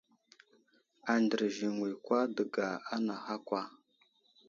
Andərziŋwi kwa dəŋga anaha kwa.